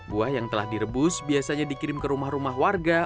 buah yang telah direbus biasanya dikirim ke rumah rumah warga